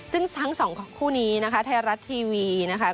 ซึ่งทั้ง๒คู่นี้นะครับไทยรัฐทีวีนะครับ